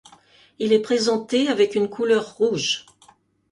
Il est présenté avec une couleur rouge.